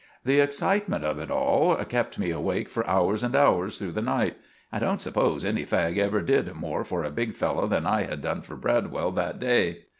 The excitement of it all kept me awake for hours and hours through the night. I don't suppose any fag ever did more for a big fellow than I had done for Bradwell that day.